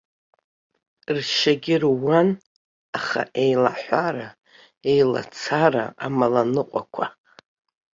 Ршьагьы руан, аха иеилаҳәара, иеилацара, амаланыҟәақәа.